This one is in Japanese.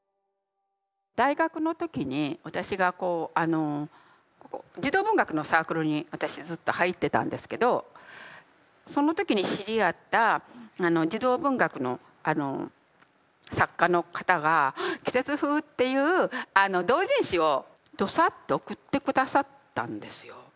大学の時に私が児童文学のサークルに私ずっと入ってたんですけどその時に知り合った児童文学の作家の方が「季節風」っていう同人誌をドサッと送って下さったんですよ。